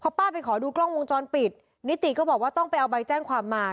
ป้าไปขอดูกล้องวงจรปิดนิติก็บอกว่าต้องไปเอาใบแจ้งความมา